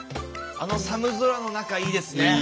あの寒空の中いいですね。